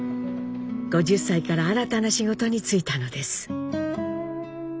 ５０歳から新たな仕事に就いたのです。